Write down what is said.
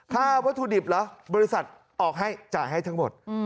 ค่าวัตถุดิบเหรอบริษัทออกให้จ่ายให้ทั้งหมด